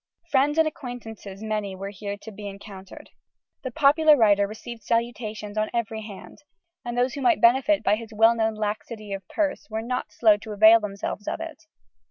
Friends and acquaintances many were here to be encountered: the popular writer received salutations on every hand, and those who might benefit by his well known laxity of purse were not slow to avail themselves of it.